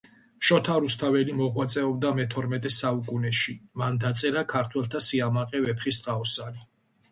შოთა რუსთაველი მოღვაწეობდა მეთორმეტე საუკუნეში. მან დაწერა ქართველთა სიამაყე ,,ვეფხისტყაოსანი."